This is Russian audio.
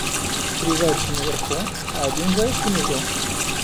Три зайца наверху, а один заяц внизу.